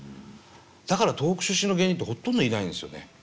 だから東北出身の芸人ってほとんどいないんですよね。